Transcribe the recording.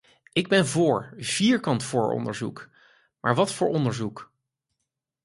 Ik ben voor, vierkant voor onderzoek, maar wat voor onderzoek?